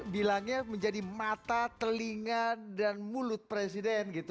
bilangnya menjadi mata telinga dan mulut presiden gitu